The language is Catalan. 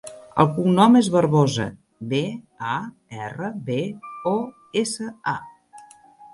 El cognom és Barbosa: be, a, erra, be, o, essa, a.